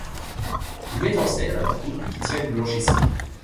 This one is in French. Il met en scène un couple qui tient une blanchisserie.